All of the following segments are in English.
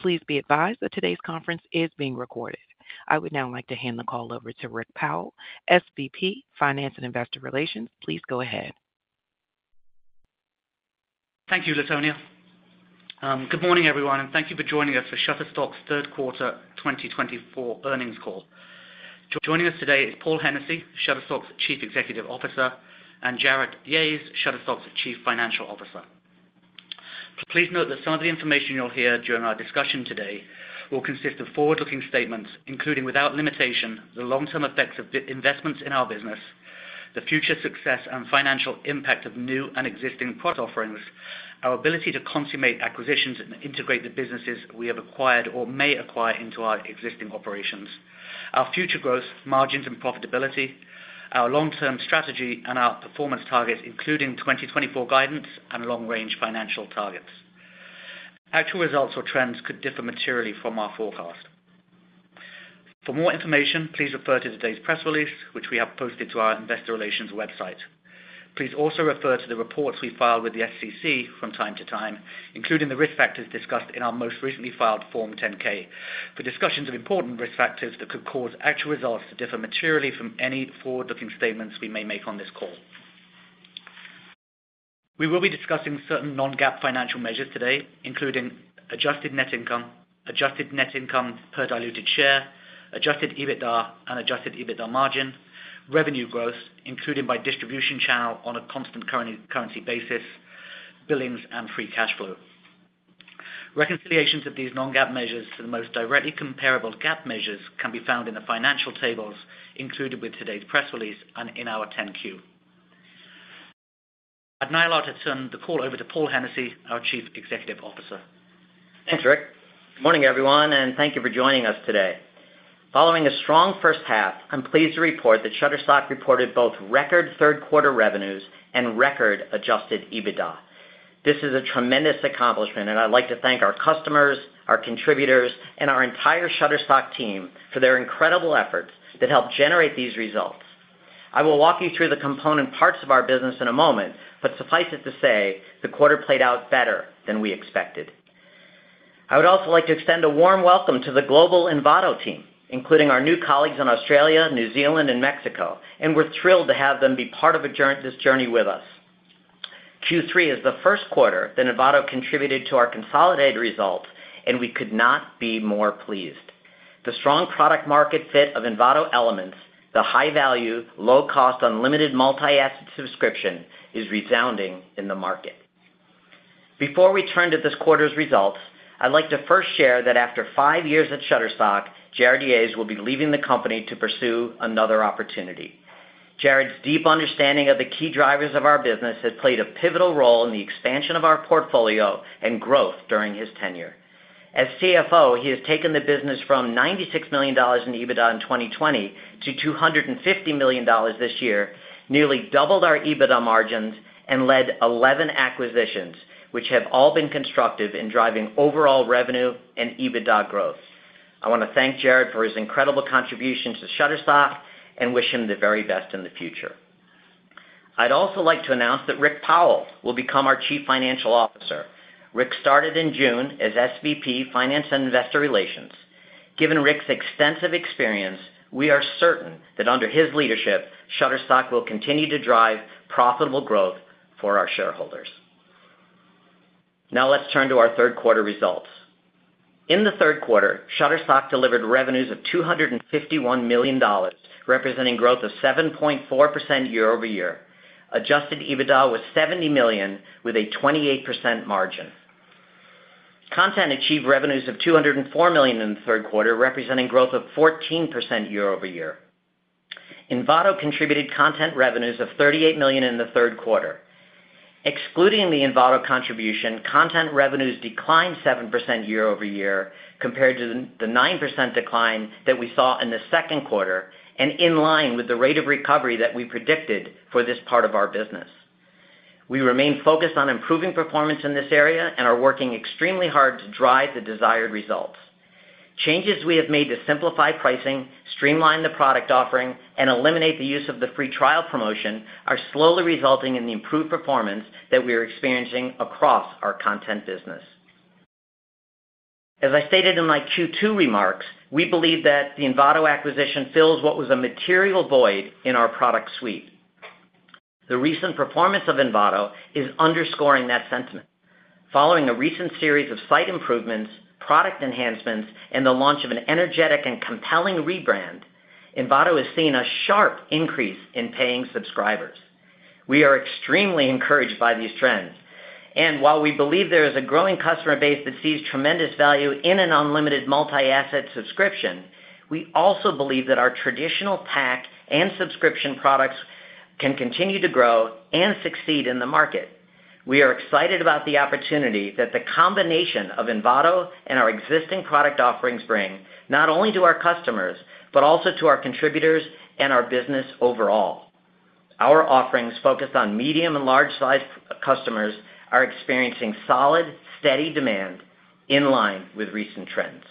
Please be advised that today's conference is being recorded. I would now like to hand the call over to Rick Powell, SVP, Finance and Investor Relations. Please go ahead. Thank you, LaTonya. Good morning, everyone, and thank you for joining us for Shutterstock's third quarter 2024 earnings call. Joining us today is Paul Hennessy, Shutterstock's Chief Executive Officer, and Jarrod Yahes, Shutterstock's Chief Financial Officer. Please note that some of the information you'll hear during our discussion today will consist of forward-looking statements, including without limitation the long-term effects of investments in our business, the future success and financial impact of new and existing product offerings, our ability to consummate acquisitions and integrate the businesses we have acquired or may acquire into our existing operations, our future growth, margins, and profitability, our long-term strategy, and our performance targets, including 2024 guidance and long-range financial targets. Actual results or trends could differ materially from our forecast. For more information, please refer to today's press release, which we have posted to our Investor Relations website. Please also refer to the reports we filed with the SEC from time to time, including the risk factors discussed in our most recently filed Form 10-K, for discussions of important risk factors that could cause actual results to differ materially from any forward-looking statements we may make on this call. We will be discussing certain non-GAAP financial measures today, including adjusted net income, adjusted net income per diluted share, adjusted EBITDA and adjusted EBITDA margin, revenue growth, including by distribution channel on a constant current currency basis, billings, and free cash flow. Reconciliations of these non-GAAP measures to the most directly comparable GAAP measures can be found in the financial tables included with today's press release and in our 10-Q. I'd now like to turn the call over to Paul Hennessy, our Chief Executive Officer. Thanks, Rick. Good morning, everyone, and thank you for joining us today. Following a strong first half, I'm pleased to report that Shutterstock reported both record third-quarter revenues and record Adjusted EBITDA. This is a tremendous accomplishment, and I'd like to thank our customers, our contributors, and our entire Shutterstock team for their incredible efforts that helped generate these results. I will walk you through the component parts of our business in a moment, but suffice it to say, the quarter played out better than we expected. I would also like to extend a warm welcome to the global Envato team, including our new colleagues in Australia, New Zealand, and Mexico, and we're thrilled to have them be part of this journey with us. Q3 is the first quarter that Envato contributed to our consolidated results, and we could not be more pleased. The strong product-market fit of Envato Elements, the high-value, low-cost, unlimited multi-asset subscription is resounding in the market. Before we turn to this quarter's results, I'd like to first share that after five years at Shutterstock, Jarrod Yahes will be leaving the company to pursue another opportunity. Jarrod's deep understanding of the key drivers of our business has played a pivotal role in the expansion of our portfolio and growth during his tenure. As CFO, he has taken the business from $96 million in EBITDA in 2020 to $250 million this year, nearly doubled our EBITDA margins, and led 11 acquisitions, which have all been constructive in driving overall revenue and EBITDA growth. I want to thank Jarrod for his incredible contributions to Shutterstock and wish him the very best in the future. I'd also like to announce that Rick Powell will become our Chief Financial Officer. Rick started in June as SVP, Finance and Investor Relations. Given Rick's extensive experience, we are certain that under his leadership, Shutterstock will continue to drive profitable growth for our shareholders. Now let's turn to our third-quarter results. In the third quarter, Shutterstock delivered revenues of $251 million, representing growth of 7.4% year-over-year. Adjusted EBITDA was $70 million, with a 28% margin. Content achieved revenues of $204 million in the third quarter, representing growth of 14% year-over-year. Envato contributed content revenues of $38 million in the third quarter. Excluding the Envato contribution, content revenues declined 7% year-over-year compared to the 9% decline that we saw in the second quarter, and in line with the rate of recovery that we predicted for this part of our business. We remain focused on improving performance in this area and are working extremely hard to drive the desired results. Changes we have made to simplify pricing, streamline the product offering, and eliminate the use of the free trial promotion are slowly resulting in the improved performance that we are experiencing across our content business. As I stated in my Q2 remarks, we believe that the Envato acquisition fills what was a material void in our product suite. The recent performance of Envato is underscoring that sentiment. Following a recent series of site improvements, product enhancements, and the launch of an energetic and compelling rebrand, Envato has seen a sharp increase in paying subscribers. We are extremely encouraged by these trends, and while we believe there is a growing customer base that sees tremendous value in an unlimited multi-asset subscription, we also believe that our traditional Pack and subscription products can continue to grow and succeed in the market. We are excited about the opportunity that the combination of Envato and our existing product offerings bring not only to our customers but also to our contributors and our business overall. Our offerings focused on medium and large-sized customers are experiencing solid, steady demand in line with recent trends.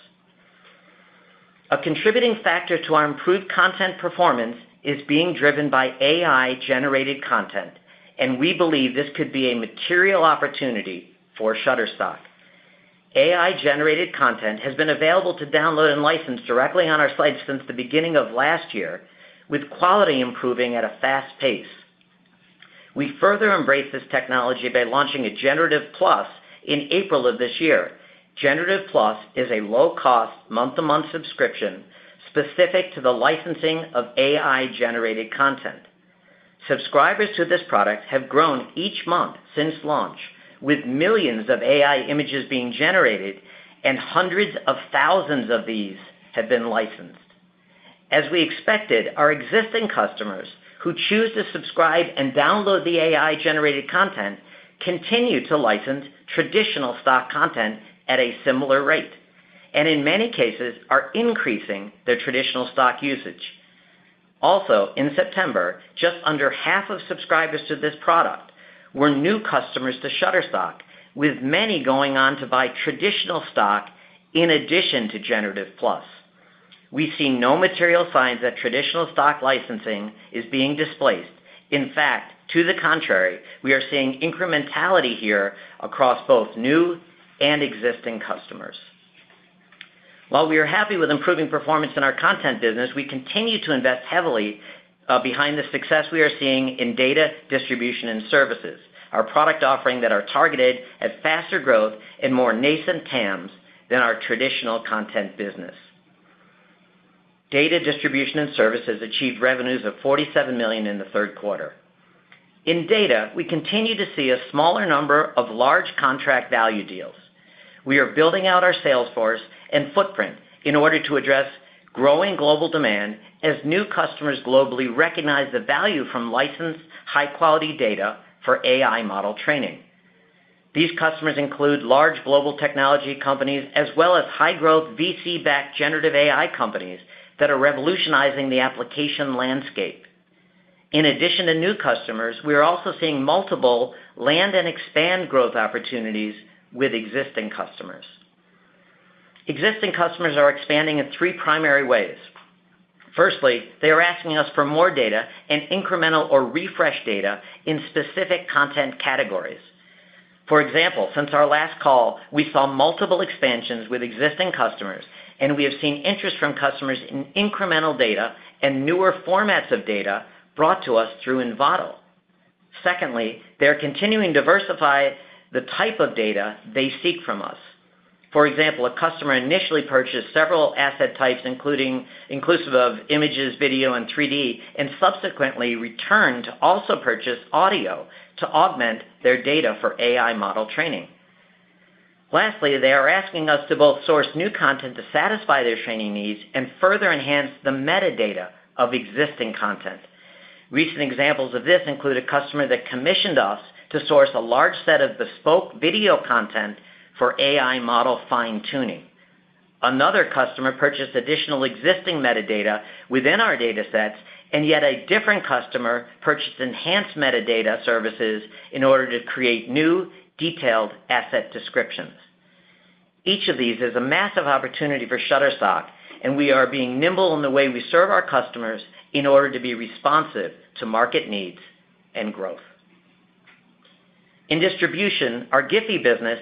A contributing factor to our improved content performance is being driven by AI-generated content, and we believe this could be a material opportunity for Shutterstock. AI-generated content has been available to download and license directly on our sites since the beginning of last year, with quality improving at a fast pace. We further embraced this technology by launching a Generative Plus in April of this year. Generative Plus is a low-cost month-to-month subscription specific to the licensing of AI-generated content. Subscribers to this product have grown each month since launch, with millions of AI images being generated, and hundreds of thousands of these have been licensed. As we expected, our existing customers who choose to subscribe and download the AI-generated content continue to license traditional stock content at a similar rate, and in many cases, are increasing their traditional stock usage. Also, in September, just under half of subscribers to this product were new customers to Shutterstock, with many going on to buy traditional stock in addition to Generative Plus. We see no material signs that traditional stock licensing is being displaced. In fact, to the contrary, we are seeing incrementality here across both new and existing customers. While we are happy with improving performance in our content business, we continue to invest heavily behind the success we are seeing in data distribution and services, our product offering that are targeted at faster growth and more nascent TAMs than our traditional content business. Data distribution and services achieved revenues of $47 million in the third quarter. In data, we continue to see a smaller number of large contract value deals. We are building out our sales force and footprint in order to address growing global demand as new customers globally recognize the value from licensed high-quality data for AI model training. These customers include large global technology companies as well as high-growth VC-backed generative AI companies that are revolutionizing the application landscape. In addition to new customers, we are also seeing multiple land and expand growth opportunities with existing customers. Existing customers are expanding in three primary ways. Firstly, they are asking us for more data and incremental or refreshed data in specific content categories. For example, since our last call, we saw multiple expansions with existing customers, and we have seen interest from customers in incremental data and newer formats of data brought to us through Envato. Secondly, they are continuing to diversify the type of data they seek from us. For example, a customer initially purchased several asset types inclusive of images, video, and 3D, and subsequently returned to also purchase audio to augment their data for AI model training. Lastly, they are asking us to both source new content to satisfy their training needs and further enhance the metadata of existing content. Recent examples of this include a customer that commissioned us to source a large set of bespoke video content for AI model fine-tuning. Another customer purchased additional existing metadata within our data sets, and yet a different customer purchased enhanced metadata services in order to create new detailed asset descriptions. Each of these is a massive opportunity for Shutterstock, and we are being nimble in the way we serve our customers in order to be responsive to market needs and growth. In distribution, our GIPHY business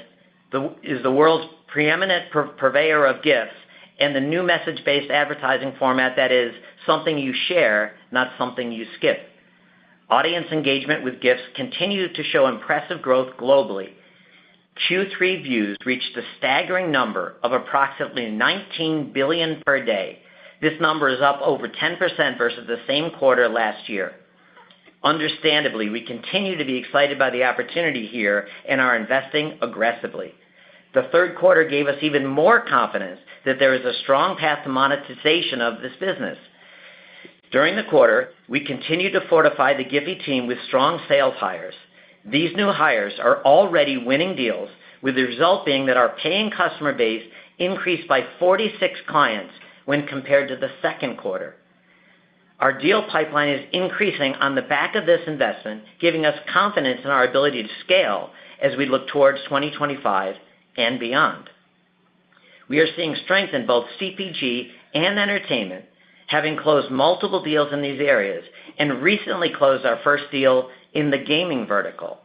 is the world's preeminent purveyor of GIFs and the new message-based advertising format that is something you share, not something you skip. Audience engagement with GIFs continues to show impressive growth globally. Q3 views reached a staggering number of approximately 19 billion per day. This number is up over 10% versus the same quarter last year. Understandably, we continue to be excited by the opportunity here and are investing aggressively. The third quarter gave us even more confidence that there is a strong path to monetization of this business. During the quarter, we continued to fortify the GIPHY team with strong sales hires. These new hires are already winning deals, with the result being that our paying customer base increased by 46 clients when compared to the second quarter. Our deal pipeline is increasing on the back of this investment, giving us confidence in our ability to scale as we look towards 2025 and beyond. We are seeing strength in both CPG and entertainment, having closed multiple deals in these areas and recently closed our first deal in the gaming vertical.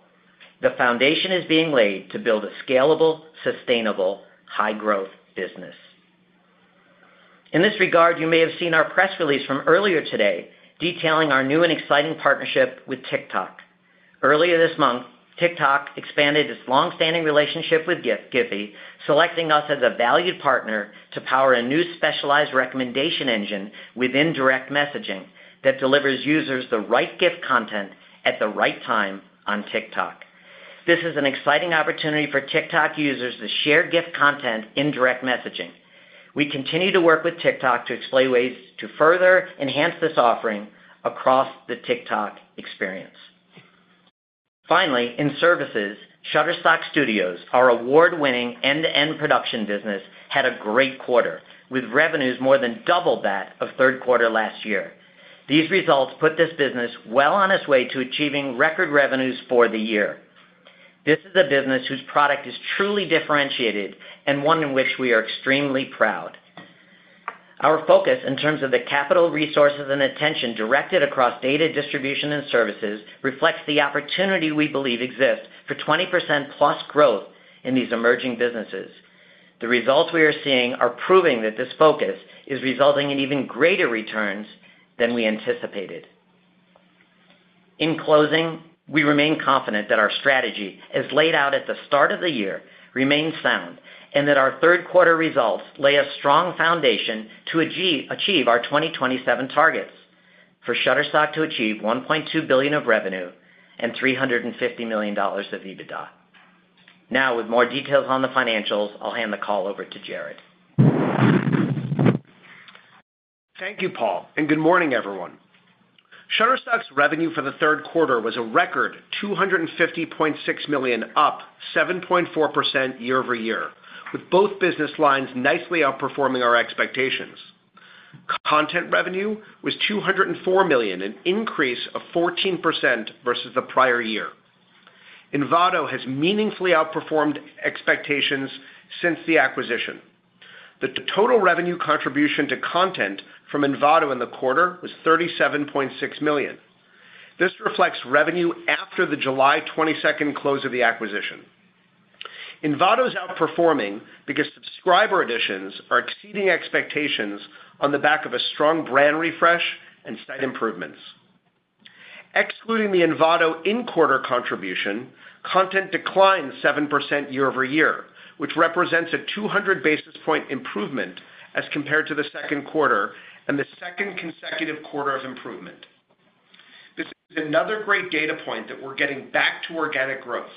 The foundation is being laid to build a scalable, sustainable, high-growth business. In this regard, you may have seen our press release from earlier today detailing our new and exciting partnership with TikTok. Earlier this month, TikTok expanded its long-standing relationship with GIPHY, selecting us as a valued partner to power a new specialized recommendation engine within direct messaging that delivers users the right GIF content at the right time on TikTok. This is an exciting opportunity for TikTok users to share GIF content in direct messaging. We continue to work with TikTok to explain ways to further enhance this offering across the TikTok experience. Finally, in services, Shutterstock Studios, our award-winning end-to-end production business, had a great quarter, with revenues more than double that of third quarter last year. These results put this business well on its way to achieving record revenues for the year. This is a business whose product is truly differentiated and one in which we are extremely proud. Our focus in terms of the capital resources and attention directed across data distribution and services reflects the opportunity we believe exists for 20% plus growth in these emerging businesses. The results we are seeing are proving that this focus is resulting in even greater returns than we anticipated. In closing, we remain confident that our strategy, as laid out at the start of the year, remains sound and that our third quarter results lay a strong foundation to achieve our 2027 targets for Shutterstock to achieve $1.2 billion of revenue and $350 million of EBITDA. Now, with more details on the financials, I'll hand the call over to Jarrod. Thank you, Paul, and good morning, everyone. Shutterstock's revenue for the third quarter was a record $250.6 million, up 7.4% year-over-year, with both business lines nicely outperforming our expectations. Content revenue was $204 million, an increase of 14% versus the prior year. Envato has meaningfully outperformed expectations since the acquisition. The total revenue contribution to content from Envato in the quarter was $37.6 million. This reflects revenue after the July 22nd close of the acquisition. Envato is outperforming because subscriber additions are exceeding expectations on the back of a strong brand refresh and site improvements. Excluding the Envato in-quarter contribution, content declined 7% year-over-year, which represents a 200 basis point improvement as compared to the second quarter and the second consecutive quarter of improvement. This is another great data point that we're getting back to organic growth.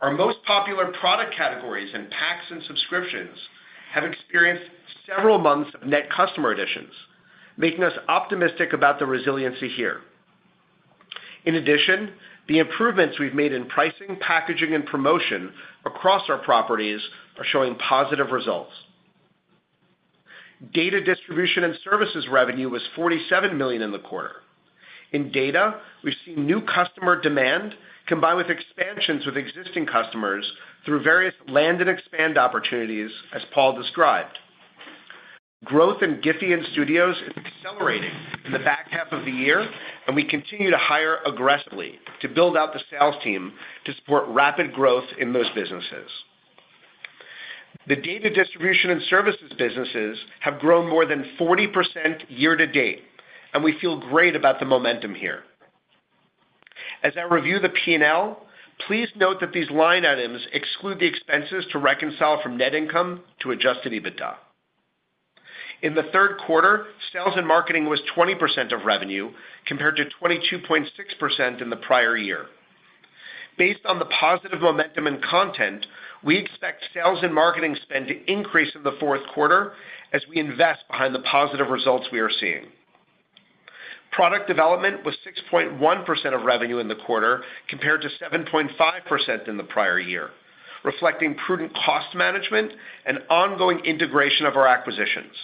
Our most popular product categories and packs and subscriptions have experienced several months of net customer additions, making us optimistic about the resiliency here. In addition, the improvements we've made in pricing, packaging, and promotion across our properties are showing positive results. Data distribution and services revenue was $47 million in the quarter. In data, we've seen new customer demand combined with expansions with existing customers through various land and expand opportunities, as Paul described. Growth in GIPHY and Studios is accelerating in the back half of the year, and we continue to hire aggressively to build out the sales team to support rapid growth in those businesses. The data distribution and services businesses have grown more than 40% year-to-date, and we feel great about the momentum here. As I review the P&L, please note that these line items exclude the expenses to reconcile from net income to Adjusted EBITDA. In the third quarter, sales and marketing was 20% of revenue compared to 22.6% in the prior year. Based on the positive momentum in content, we expect sales and marketing spend to increase in the fourth quarter as we invest behind the positive results we are seeing. Product development was 6.1% of revenue in the quarter compared to 7.5% in the prior year, reflecting prudent cost management and ongoing integration of our acquisitions.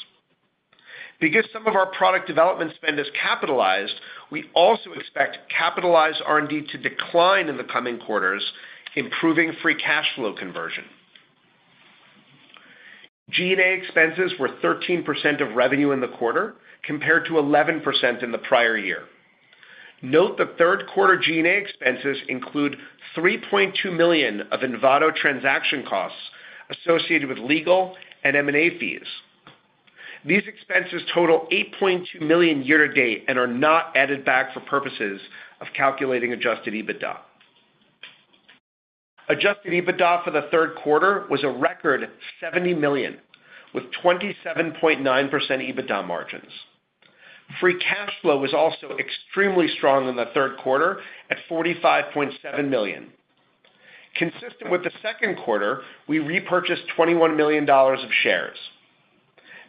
Because some of our product development spend is capitalized, we also expect capitalized R&D to decline in the coming quarters, improving free cash flow conversion. G&A expenses were 13% of revenue in the quarter compared to 11% in the prior year. Note the third quarter G&A expenses include $3.2 million of Envato transaction costs associated with legal and M&A fees. These expenses total $8.2 million year-to-date and are not added back for purposes of calculating Adjusted EBITDA. Adjusted EBITDA for the third quarter was a record $70 million, with 27.9% EBITDA margins. Free cash flow was also extremely strong in the third quarter at $45.7 million. Consistent with the second quarter, we repurchased $21 million of shares.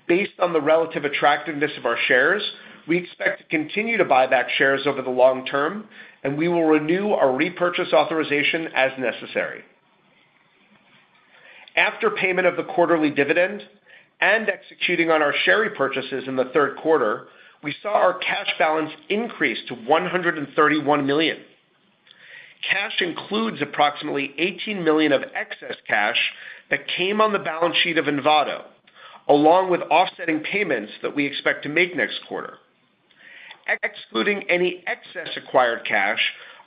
Based on the relative attractiveness of our shares, we expect to continue to buy back shares over the long term, and we will renew our repurchase authorization as necessary. After payment of the quarterly dividend and executing on our share repurchases in the third quarter, we saw our cash balance increase to $131 million. Cash includes approximately $18 million of excess cash that came on the balance sheet of Envato, along with offsetting payments that we expect to make next quarter. Excluding any excess acquired cash,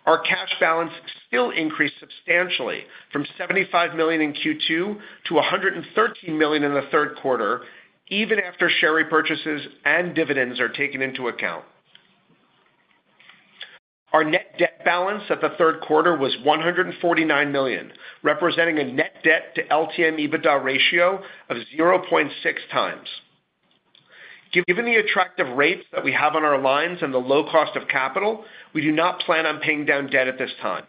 our cash balance still increased substantially from $75 million in Q2 to $113 million in the third quarter, even after share repurchases and dividends are taken into account. Our net debt balance at the third quarter was $149 million, representing a net debt-to-LTM EBITDA ratio of 0.6 times. Given the attractive rates that we have on our lines and the low cost of capital, we do not plan on paying down debt at this time.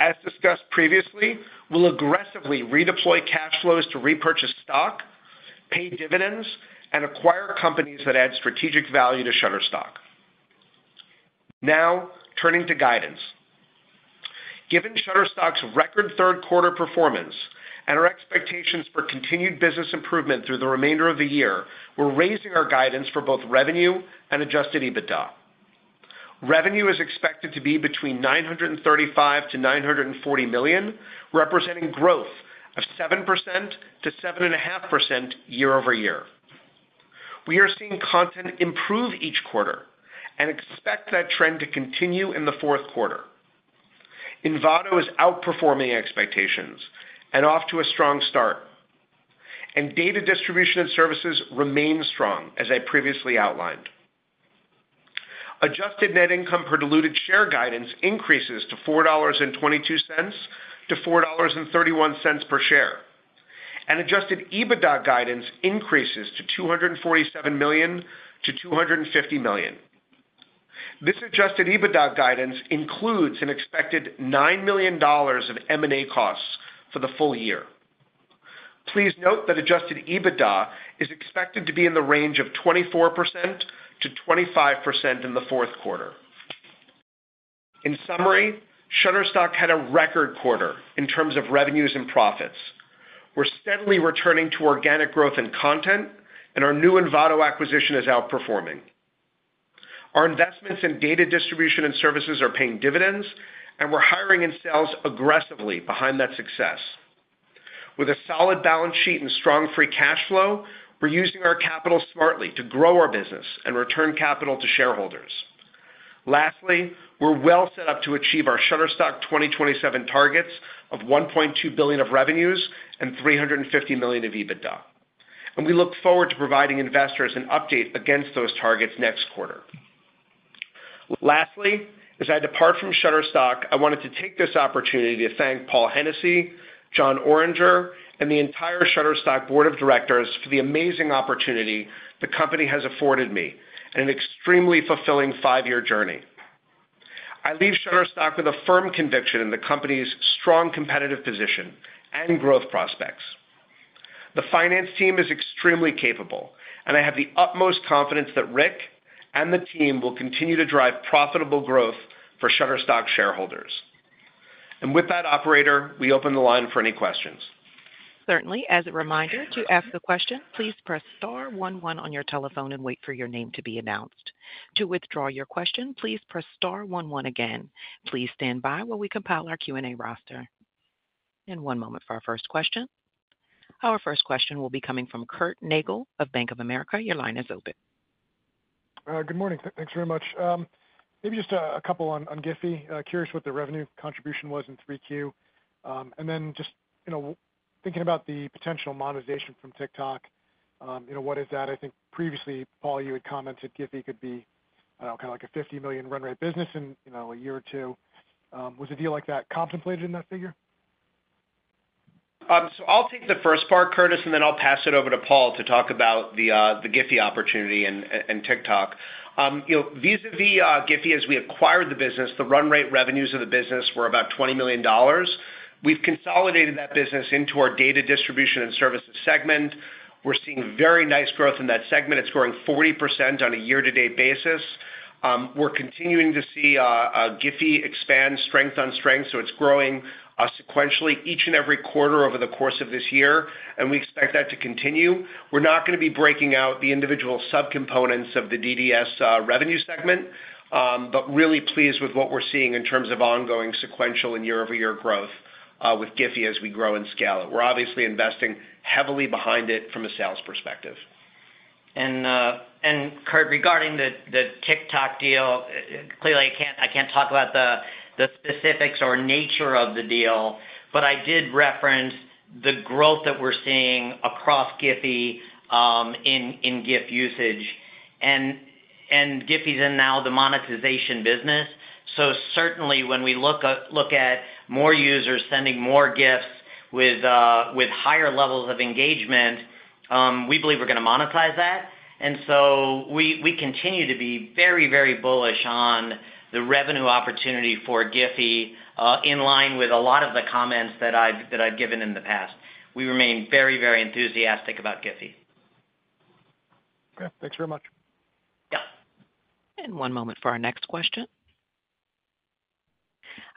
As discussed previously, we'll aggressively redeploy cash flows to repurchase stock, pay dividends, and acquire companies that add strategic value to Shutterstock. Now, turning to guidance. Given Shutterstock's record third quarter performance and our expectations for continued business improvement through the remainder of the year, we're raising our guidance for both revenue and adjusted EBITDA. Revenue is expected to be between $935-$940 million, representing growth of 7%-7.5% year-over-year. We are seeing content improve each quarter and expect that trend to continue in the fourth quarter. Envato is outperforming expectations and off to a strong start. Data distribution and services remain strong, as I previously outlined. Adjusted net income per diluted share guidance increases to $4.22-$4.31 per share, and adjusted EBITDA guidance increases to $247-$250 million. This adjusted EBITDA guidance includes an expected $9 million of M&A costs for the full year. Please note that adjusted EBITDA is expected to be in the range of 24%-25% in the fourth quarter. In summary, Shutterstock had a record quarter in terms of revenues and profits. We're steadily returning to organic growth and content, and our new Envato acquisition is outperforming. Our investments in data distribution and services are paying dividends, and we're hiring and sales aggressively behind that success. With a solid balance sheet and strong free cash flow, we're using our capital smartly to grow our business and return capital to shareholders. Lastly, we're well set up to achieve our Shutterstock 2027 targets of $1.2 billion of revenues and $350 million of EBITDA. And we look forward to providing investors an update against those targets next quarter. Lastly, as I depart from Shutterstock, I wanted to take this opportunity to thank Paul Hennessy, Jon Oringer, and the entire Shutterstock board of directors for the amazing opportunity the company has afforded me and an extremely fulfilling five-year journey. I leave Shutterstock with a firm conviction in the company's strong competitive position and growth prospects. The finance team is extremely capable, and I have the utmost confidence that Rick and the team will continue to drive profitable growth for Shutterstock shareholders. And with that, Operator, we open the line for any questions. Certainly. As a reminder, to ask a question, please press star 11 on your telephone and wait for your name to be announced. To withdraw your question, please press star 11 again. Please stand by while we compile our Q&A roster. One moment for our first question. Our first question will be coming from Curtis Nagle of Bank of America. Your line is open. Good morning. Thanks very much. Maybe just a couple on GIPHY. Curious what the revenue contribution was in 3Q. And then just thinking about the potential monetization from TikTok, what is that? I think previously, Paul, you had commented GIPHY could be kind of like a $50 million run rate business in a year or two. Was a deal like that contemplated in that figure? So I'll take the first part, Curtis, and then I'll pass it over to Paul to talk about the GIPHY opportunity and TikTok. Vis-à-vis GIPHY, as we acquired the business, the run rate revenues of the business were about $20 million. We've consolidated that business into our data distribution and services segment. We're seeing very nice growth in that segment. It's growing 40% on a year-to-date basis. We're continuing to see GIPHY expand strength on strength, so it's growing sequentially each and every quarter over the course of this year, and we expect that to continue. We're not going to be breaking out the individual subcomponents of the DDS revenue segment, but really pleased with what we're seeing in terms of ongoing sequential and year-over-year growth with GIPHY as we grow and scale it. We're obviously investing heavily behind it from a sales perspective. Curt, regarding the TikTok deal, clearly, I can't talk about the specifics or nature of the deal, but I did reference the growth that we're seeing across GIPHY in GIF usage. And GIPHY is now the monetization business, so certainly when we look at more users sending more GIFs with higher levels of engagement, we believe we're going to monetize that. And so we continue to be very, very bullish on the revenue opportunity for GIPHY in line with a lot of the comments that I've given in the past. We remain very, very enthusiastic about GIPHY. Okay. Thanks very much. Yeah. And one moment for our next question.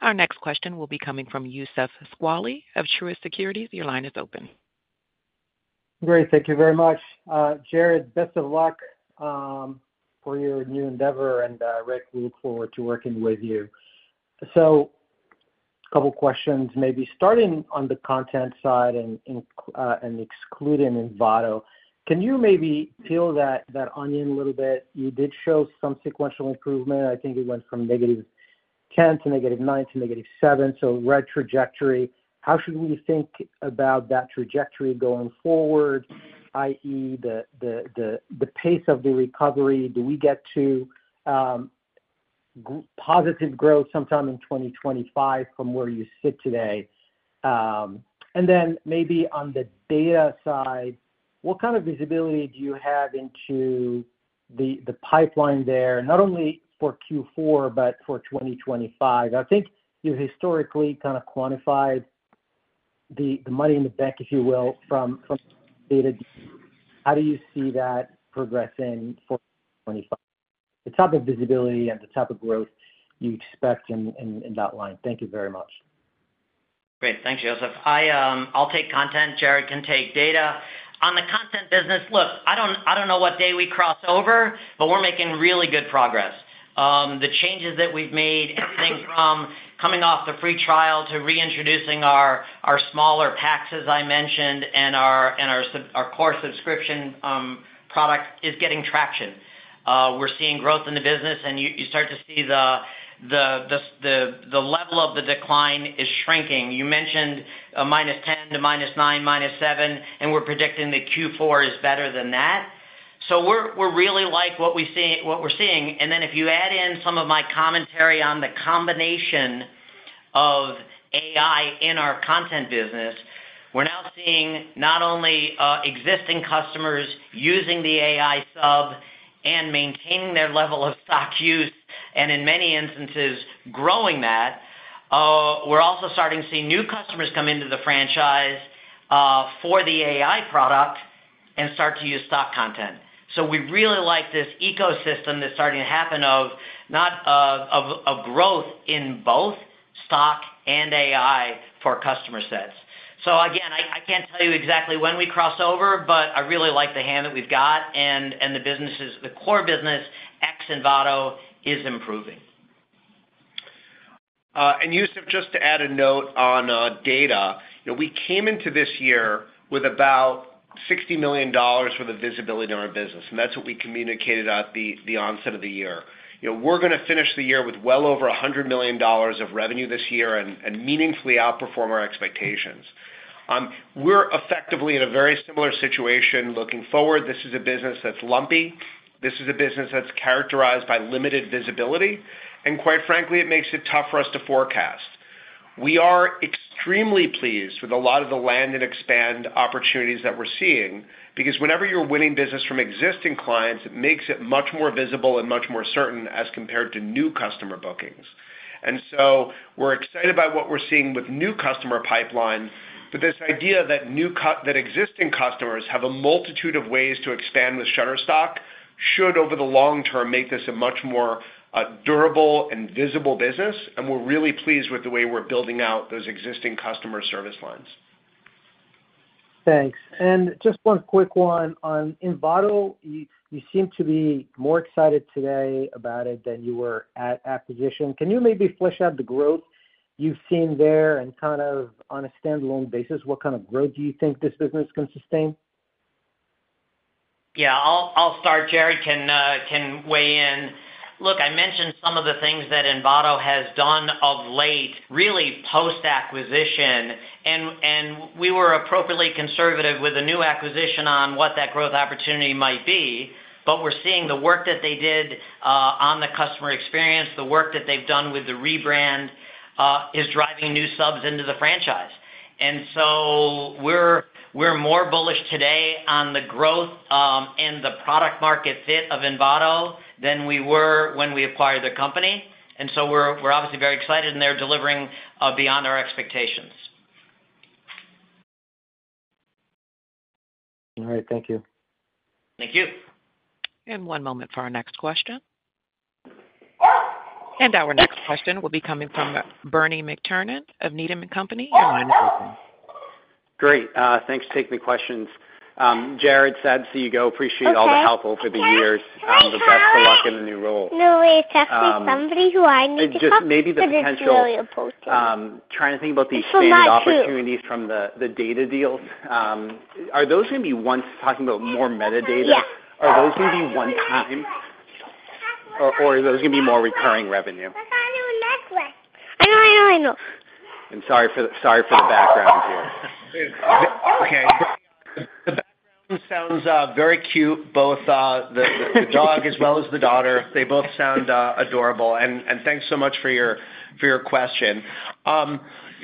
Our next question will be coming from Youssef Squali of Truist Securities. Your line is open. Great. Thank you very much. Jarrod, best of luck for your new endeavor, and Rick, we look forward to working with you. So a couple of questions, maybe starting on the content side and excluding Envato. Can you maybe peel that onion a little bit? You did show some sequential improvement. I think it went from -10% to -9% to -7%, so red trajectory. How should we think about that trajectory going forward, i.e., the pace of the recovery? Do we get to positive growth sometime in 2025 from where you sit today? And then maybe on the data side, what kind of visibility do you have into the pipeline there, not only for Q4 but for 2025? I think you've historically kind of quantified the money in the bank, if you will, from data. How do you see that progressing for 2025? The type of visibility and the type of growth you expect in that line. Thank you very much. Great. Thanks, Youssef. I'll take content. Jarrod can take data. On the content business, look, I don't know what day we cross over, but we're making really good progress. The changes that we've made, everything from coming off the free trial to reintroducing our smaller packs, as I mentioned, and our core subscription product is getting traction. We're seeing growth in the business, and you start to see the level of the decline is shrinking. You mentioned minus 10 to minus 9, minus 7, and we're predicting that Q4 is better than that. So we're really liking what we're seeing. And then if you add in some of my commentary on the combination of AI in our content business, we're now seeing not only existing customers using the AI sub and maintaining their level of stock use and, in many instances, growing that. We're also starting to see new customers come into the franchise for the AI product and start to use stock content. So we really like this ecosystem that's starting to happen of growth in both stock and AI for customer sets. So again, I can't tell you exactly when we cross over, but I really like the hand that we've got. And the core business, ex Envato, is improving. And Youssef, just to add a note on data, we came into this year with about $60 million for the visibility of our business, and that's what we communicated at the onset of the year. We're going to finish the year with well over $100 million of revenue this year and meaningfully outperform our expectations. We're effectively in a very similar situation looking forward. This is a business that's lumpy. This is a business that's characterized by limited visibility. And quite frankly, it makes it tough for us to forecast. We are extremely pleased with a lot of the land and expand opportunities that we're seeing because whenever you're winning business from existing clients, it makes it much more visible and much more certain as compared to new customer bookings. And so we're excited by what we're seeing with new customer pipeline, but this idea that existing customers have a multitude of ways to expand with Shutterstock should, over the long term, make this a much more durable and visible business. And we're really pleased with the way we're building out those existing customer service lines. Thanks. And just one quick one on Envato. You seem to be more excited today about it than you were at acquisition. Can you maybe flesh out the growth you've seen there? And kind of on a standalone basis, what kind of growth do you think this business can sustain? Yeah. I'll start. Jarrod can weigh in. Look, I mentioned some of the things that Envato has done of late, really post-acquisition. And we were appropriately conservative with a new acquisition on what that growth opportunity might be. But we're seeing the work that they did on the customer experience, the work that they've done with the rebrand is driving new subs into the franchise. And so we're more bullish today on the growth and the product market fit of Envato than we were when we acquired the company. And so we're obviously very excited, and they're delivering beyond our expectations. All right. Thank you. Thank you. And one moment for our next question. And our next question will be coming from Bernie McTernan of Needham & Company. Your line is open. Great. Thanks for taking the questions. Jarrod, sad to see you go. Appreciate all the help over the years. Best of luck in the new role. No, it's actually somebody who I need to talk to. Maybe the potential trying to think about these scale opportunities from the data deals. Are those going to be ones talking about more metadata? Are those going to be one-time? Or are those going to be more recurring revenue? I know, I know, I know. I'm sorry for the background here. Okay. The background sounds very cute, both the dog as well as the daughter. They both sound adorable, and thanks so much for your question.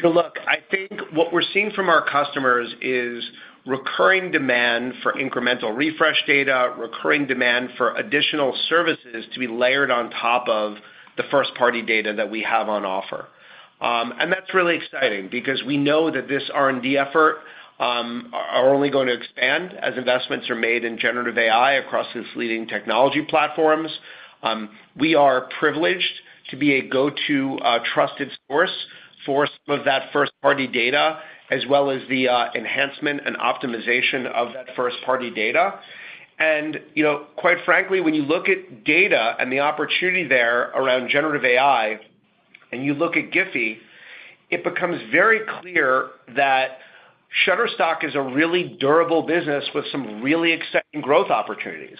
Look, I think what we're seeing from our customers is recurring demand for incremental refresh data, recurring demand for additional services to be layered on top of the first-party data that we have on offer. That's really exciting because we know that this R&D effort is only going to expand as investments are made in generative AI across these leading technology platforms. We are privileged to be a go-to trusted source for some of that first-party data as well as the enhancement and optimization of that first-party data. And quite frankly, when you look at data and the opportunity there around generative AI and you look at GIPHY, it becomes very clear that Shutterstock is a really durable business with some really exciting growth opportunities.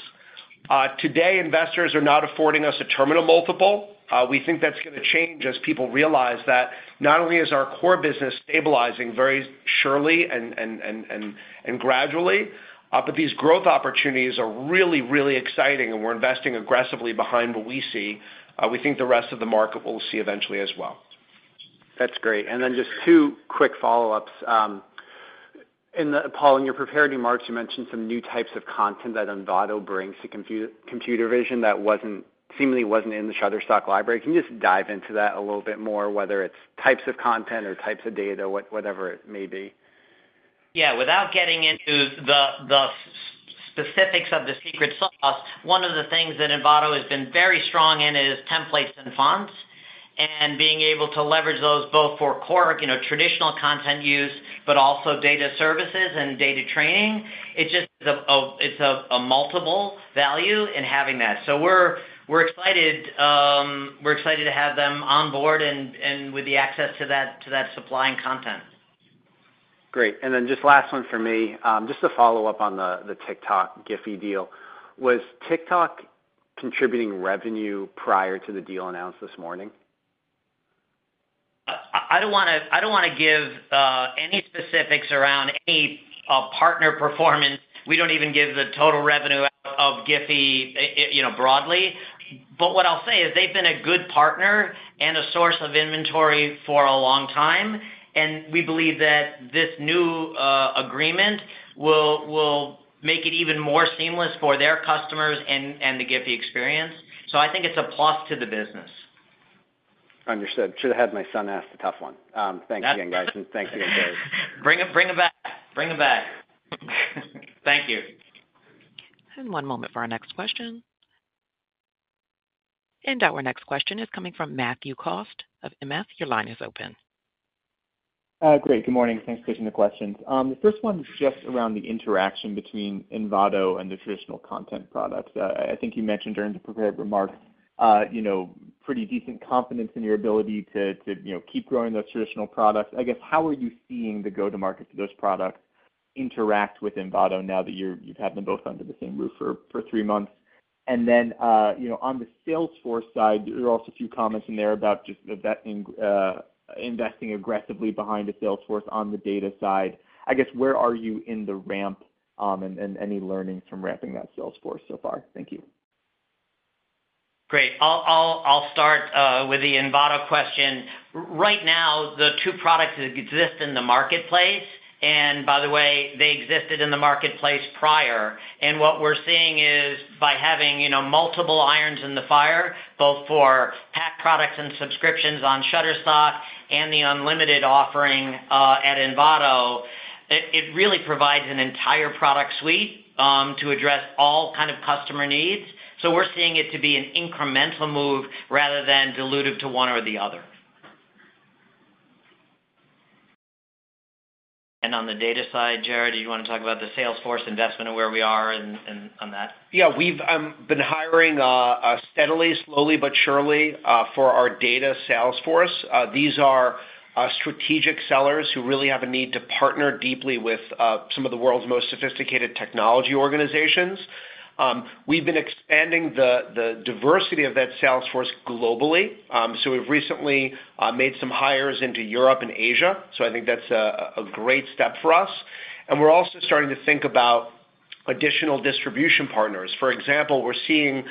Today, investors are not affording us a terminal multiple. We think that's going to change as people realize that not only is our core business stabilizing very surely and gradually, but these growth opportunities are really, really exciting, and we're investing aggressively behind what we see. We think the rest of the market will see eventually as well. That's great. And then just two quick follow-ups. Paul, in your prepared remarks, you mentioned some new types of content that Envato brings to computer vision that seemingly wasn't in the Shutterstock library. Can you just dive into that a little bit more, whether it's types of content or types of data, whatever it may be? Yeah. Without getting into the specifics of the secret sauce, one of the things that Envato has been very strong in is templates and fonts and being able to leverage those both for core traditional content use but also data services and data training. It's just a multiple value in having that. So we're excited to have them on board and with the access to that supply and content. Great. And then just last one for me, just to follow up on the TikTok GIPHY deal. Was TikTok contributing revenue prior to the deal announced this morning? I don't want to give any specifics around any partner performance. We don't even give the total revenue out of GIPHY broadly. But what I'll say is they've been a good partner and a source of inventory for a long time. And we believe that this new agreement will make it even more seamless for their customers and the GIPHY experience. So I think it's a plus to the business. Understood. Should have had my son ask the tough one. Thanks again, guys. And thanks again, Jarrod. Bring him back. Bring him back. Thank you. And one moment for our next question. And our next question is coming from Matthew Cost of Morgan Stanley. Your line is open. Great. Good morning. Thanks for taking the questions. The first one is just around the interaction between Envato and the traditional content products. I think you mentioned during the prepared remarks pretty decent confidence in your ability to keep growing those traditional products. I guess, how are you seeing the go-to-market for those products interact with Envato now that you've had them both under the same roof for three months? And then on the sales force side, there are also a few comments in there about just investing aggressively behind the sales force on the data side. I guess, where are you in the ramp and any learnings from ramping that sales force so far? Thank you. Great. I'll start with the Envato question. Right now, the two products exist in the marketplace, and by the way, they existed in the marketplace prior. What we're seeing is by having multiple irons in the fire, both for pack products and subscriptions on Shutterstock and the unlimited offering at Envato. It really provides an entire product suite to address all kinds of customer needs. We're seeing it to be an incremental move rather than dilutive to one or the other. On the data side, Jarrod, did you want to talk about the sales force investment and where we are on that? Yeah. We've been hiring steadily, slowly, but surely for our data sales force. These are strategic sellers who really have a need to partner deeply with some of the world's most sophisticated technology organizations. We've been expanding the diversity of that sales force globally. We've recently made some hires into Europe and Asia. I think that's a great step for us. We're also starting to think about additional distribution partners. For example, we're seeing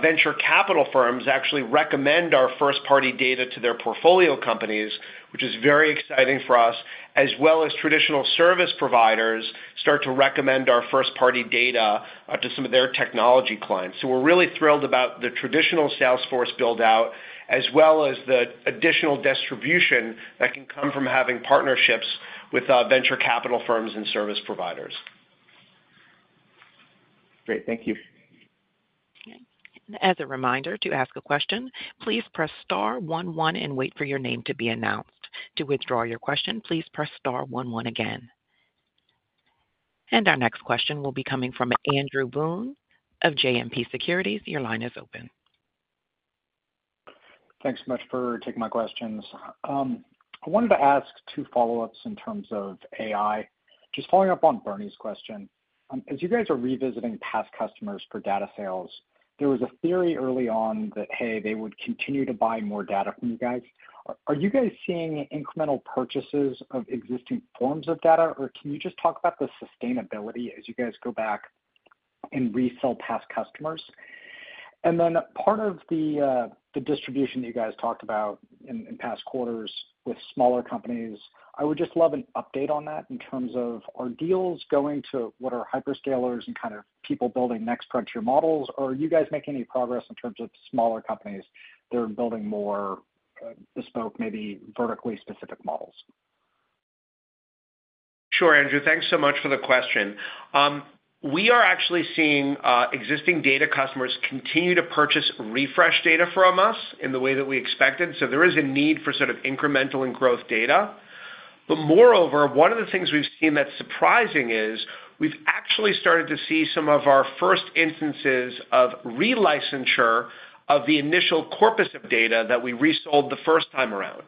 venture capital firms actually recommend our first-party data to their portfolio companies, which is very exciting for us, as well as traditional service providers start to recommend our first-party data to some of their technology clients. So we're really thrilled about the traditional Salesforce build-out as well as the additional distribution that can come from having partnerships with venture capital firms and service providers. Great. Thank you. As a reminder to ask a question, please press star 11 and wait for your name to be announced. To withdraw your question, please press star 11 again. And our next question will be coming from Andrew Boone of JMP Securities. Your line is open. Thanks so much for taking my questions. I wanted to ask two follow-ups in terms of AI. Just following up on Bernie's question, as you guys are revisiting past customers for data sales, there was a theory early on that, hey, they would continue to buy more data from you guys. Are you guys seeing incremental purchases of existing forms of data? Or can you just talk about the sustainability as you guys go back and resell past customers? And then part of the distribution that you guys talked about in past quarters with smaller companies, I would just love an update on that in terms of are deals going to what are hyperscalers and kind of people building next-frontier models, or are you guys making any progress in terms of smaller companies that are building more bespoke, maybe vertically specific models? Sure, Andrew. Thanks so much for the question. We are actually seeing existing data customers continue to purchase refresh data from us in the way that we expected. So there is a need for sort of incremental and growth data. But moreover, one of the things we've seen that's surprising is we've actually started to see some of our first instances of relicense of the initial corpus of data that we resold the first time around.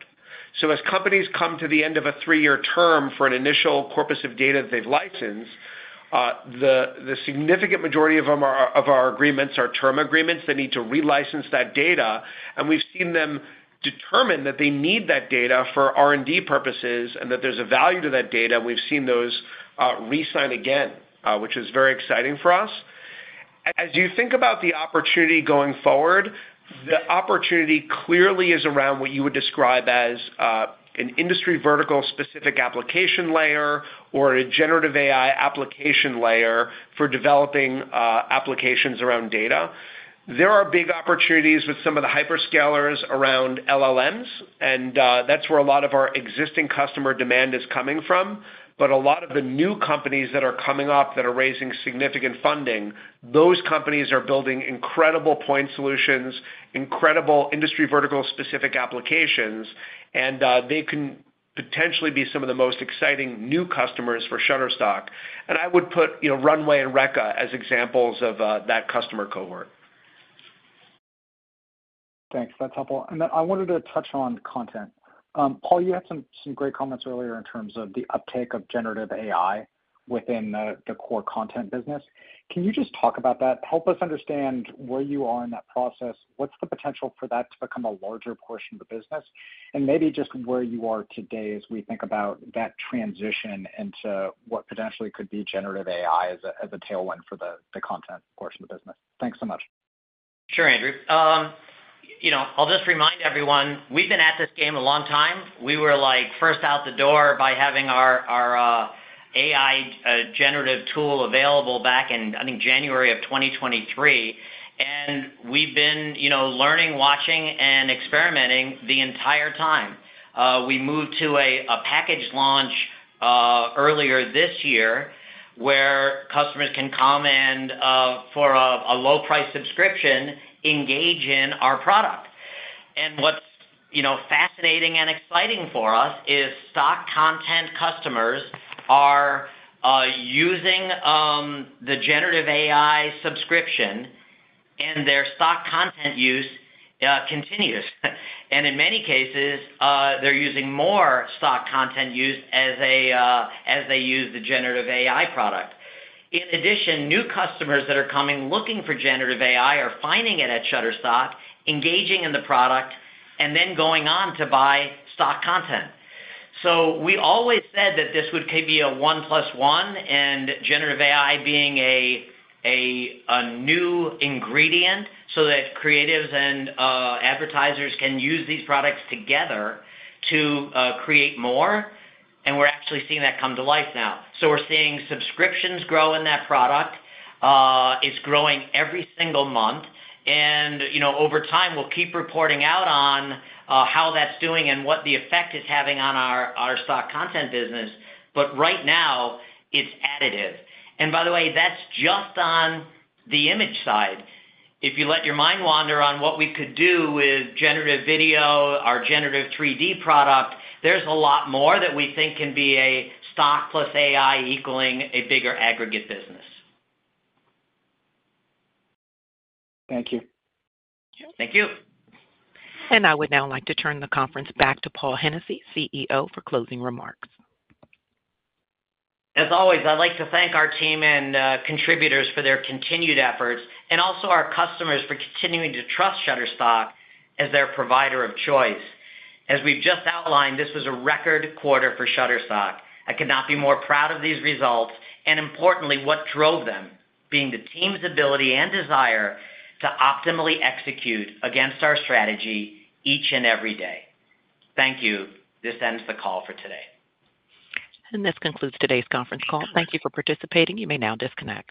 So as companies come to the end of a three-year term for an initial corpus of data that they've licensed, the significant majority of our agreements are term agreements that need to relicense that data. And we've seen them determine that they need that data for R&D purposes and that there's a value to that data. And we've seen those re-sign again, which is very exciting for us. As you think about the opportunity going forward, the opportunity clearly is around what you would describe as an industry vertical-specific application layer or a generative AI application layer for developing applications around data. There are big opportunities with some of the hyperscalers around LLMs. And that's where a lot of our existing customer demand is coming from. But a lot of the new companies that are coming up that are raising significant funding, those companies are building incredible point solutions, incredible industry vertical-specific applications, and they can potentially be some of the most exciting new customers for Shutterstock. And I would put Runway and Reka as examples of that customer cohort. Thanks. That's helpful. And then I wanted to touch on content. Paul, you had some great comments earlier in terms of the uptake of generative AI within the core content business. Can you just talk about that? Help us understand where you are in that process, what's the potential for that to become a larger portion of the business, and maybe just where you are today as we think about that transition into what potentially could be generative AI as a tailwind for the content portion of the business. Thanks so much. Sure, Andrew. I'll just remind everyone, we've been at this game a long time. We were first out the door by having our generative AI tool available back in, I think, January of 2023. And we've been learning, watching, and experimenting the entire time. We moved to a package launch earlier this year where customers can come and for a low-price subscription engage in our product. And what's fascinating and exciting for us is stock content customers are using the generative AI subscription, and their stock content use continues. And in many cases, they're using more stock content as they use the generative AI product. In addition, new customers that are coming looking for generative AI are finding it at Shutterstock, engaging in the product, and then going on to buy stock content. So we always said that this would be a one-plus-one and generative AI being a new ingredient so that creatives and advertisers can use these products together to create more. And we're actually seeing that come to life now. So we're seeing subscriptions grow in that product. It's growing every single month. And over time, we'll keep reporting out on how that's doing and what the effect it's having on our stock content business. But right now, it's additive. And by the way, that's just on the image side. If you let your mind wander on what we could do with generative video, our generative 3D product, there's a lot more that we think can be a stock plus AI equaling a bigger aggregate business. Thank you. Thank you. And I would now like to turn the conference back to Paul Hennessy, CEO, for closing remarks. As always, I'd like to thank our team and contributors for their continued efforts and also our customers for continuing to trust Shutterstock as their provider of choice. As we've just outlined, this was a record quarter for Shutterstock. I could not be more proud of these results. And importantly, what drove them being the team's ability and desire to optimally execute against our strategy each and every day. Thank you. This ends the call for today. And this concludes today's conference call. Thank you for participating. You may now disconnect.